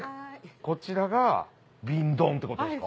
こちらが瓶ドンってことですか？